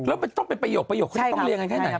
แล้วต้องเป็นประโยคที่ต้องเรียงไหน